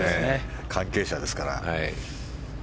関係者ですから。